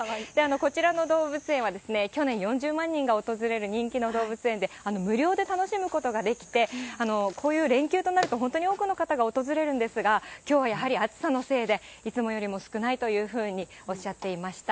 こちらの動物園は去年４０万人が訪れる人気の動物園で、無料で楽しむことができて、こういう連休となると、本当に多くの方が訪れるんですが、きょうはやはり暑さのせいで、いつもよりも少ないというふうにおっしゃっていました。